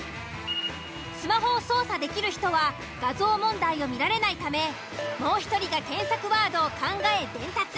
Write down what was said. スマホを操作できる人は画像問題を見られないためもう１人が検索ワードを考え伝達。